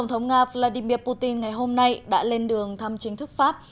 và vladimir putin ngày hôm nay đã lên đường thăm chính thức pháp